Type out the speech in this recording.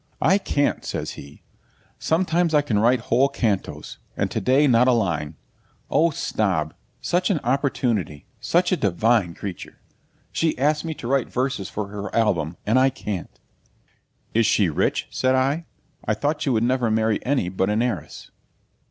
'I can't,' says he. 'Sometimes I can write whole cantos, and to day not a line. Oh, Snob! such an opportunity! Such a divine creature! She's asked me to write verses for her album, and I can't.' 'Is she rich?' said I. 'I thought you would never marry any but an heiress.'